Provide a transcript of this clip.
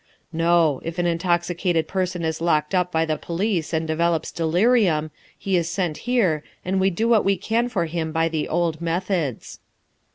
"No. If an intoxicated person is locked up by the police and develops delirium, he is sent here, and we do what we can for him by the old methods."